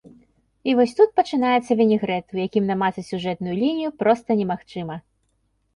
І вось тут пачынаецца вінегрэт, у якім намацаць сюжэтную лінію проста немагчыма.